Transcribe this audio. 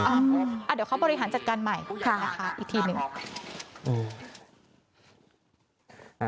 อ่ะเดี๋ยวเขาบริหารจัดการใหม่นะคะอีกทีหนึ่ง